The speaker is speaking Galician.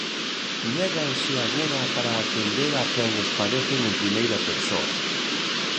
Néganse agora para atender a quen os padecen en primeira persoa.